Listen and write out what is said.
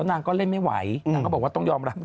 นางก็เล่นไม่ไหวนางก็บอกว่าต้องยอมรับ